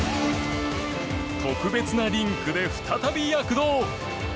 特別なリンクで再び躍動！